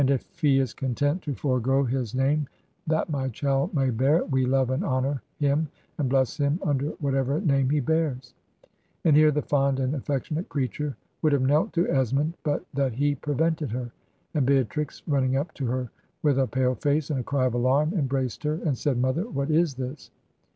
. if he is content to forego his name that my child may bear it, we love and honor him and bless him tmder whatever name he bears '— ^and here the fond and affectionate creature wotdd have knelt to Esmond, but that he prevented her; and Beatrix, running up to her with a pale face and a cry of alarm, embraced her and said, ' Mother, what is this?'